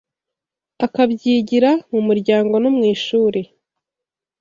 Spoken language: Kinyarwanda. akabyigira mu muryango no mu ishuri.